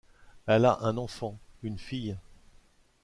Elle a un enfant, une fille.